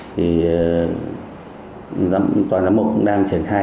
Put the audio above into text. thì tòa giám mục cũng đang triển khai